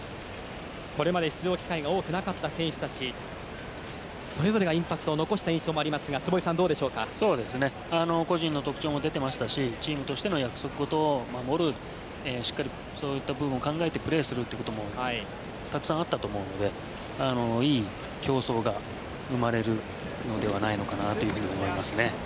これまで出場機会が多くなかった選手たちそれぞれがインパクトを残した印象もありますが個人の特徴も出ていたしチームとしての約束事を守るしっかり、そういった部分を考えてプレーするという部分もたくさんあったと思うのでいい競争が生まれると思います。